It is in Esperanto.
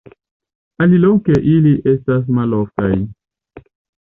Aliloke ili estas maloftaj.